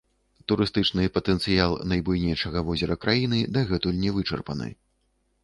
Турыстычны патэнцыял найбуйнейшага возера краіны дагэтуль не вычарпаны.